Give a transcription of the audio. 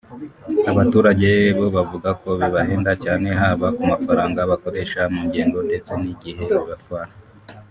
Abaturage bo bavuga ko bibahenda cyane haba ku mafaranga bakoresha mu ngendo ndetse n’igihe bibatwara